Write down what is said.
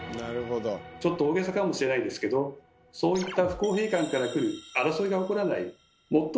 ちょっと大げさかもしれないですけどそういった